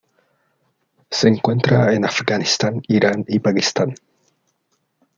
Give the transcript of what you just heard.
Se encuentra en Afganistán Irán y Pakistán.